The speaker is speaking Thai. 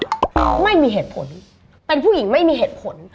ไม่มีเหตุผลเป็นผู้หญิงไม่มีเหตุผล